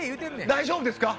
大丈夫ですか？